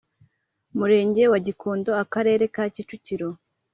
Murenge wa gikondo akarere ka kicukiro